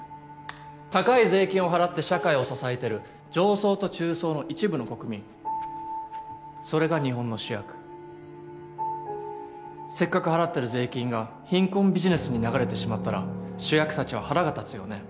高い税金を払って社会を支えてる上層と中層の一部の国民それが日本の主役せっかく払ってる税金が貧困ビジネスに流れてしまったら主役達は腹が立つよね